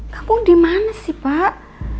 kamu dimana sih pak